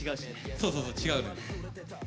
そうそうそう違うのよ。